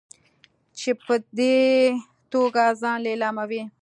چې په دې توګه ځان لیلاموي.